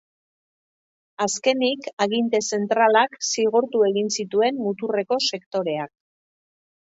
Azkenik, aginte zentralak zigortu egin zituen muturreko sektoreak.